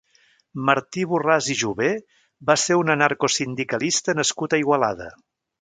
Martí Borràs i Jover va ser un anarcosindicalista nascut a Igualada.